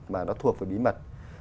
mà nó thuộc vào bí mật